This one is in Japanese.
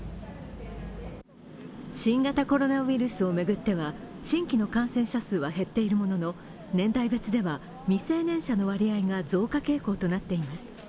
新型コロナウイルスを巡っては新規の感染者数は減っているものの、年代別では未成年者の割合が増加傾向となっています。